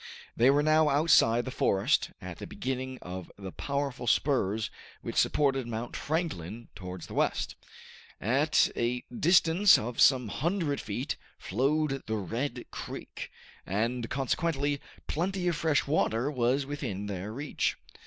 They were now outside the forest, at the beginning of the powerful spurs which supported Mount Franklin towards the west. At a distance of some hundred feet flowed the Red Creek, and consequently plenty of fresh water was within their reach.